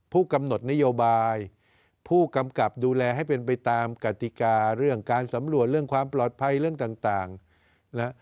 ผู้กำหนดนโยบายผู้กำกับดูแลให้เป็นไปตามกติกาเรื่องการสำรวจเรื่องความปลอดภัยเรื่องต่างนะ